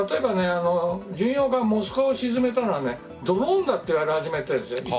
巡洋艦「モスクワ」を沈めたのはドローンだと言われ始めているんです。